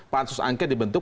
pansus angka dibentuk